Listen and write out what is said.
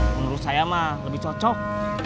menurut saya mah lebih cocok